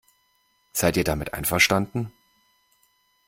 Seid ihr damit einverstanden?